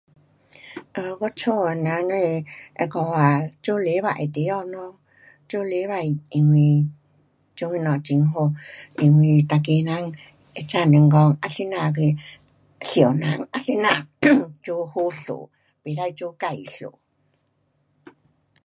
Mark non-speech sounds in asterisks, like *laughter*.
um 我家的人只是那个啊做礼拜的地方咯，做礼拜因为做什么很好，因为每个人会晓得讲啊怎样去疼人，啊怎样 *coughs* 做好事。不可做坏事。